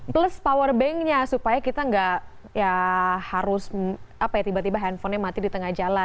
plus powerbanknya supaya kita tidak harus tiba tiba handphone mati di tengah jalan